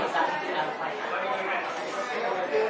สัตว์